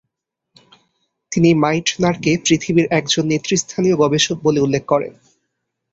তিনি মাইটনারকে পৃথিবীর একজন নেতৃস্থানীয় গবেষক বলে উল্লেখ করেন।